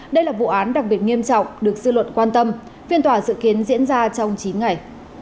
đây là vụ án đặc biệt nghiêm trọng được dư luận quan tâm phiên tòa dự kiến diễn ra trong chín ngày